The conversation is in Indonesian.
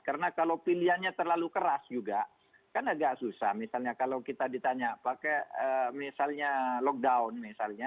karena kalau pilihannya terlalu keras juga kan agak susah misalnya kalau kita ditanya pakai misalnya lockdown misalnya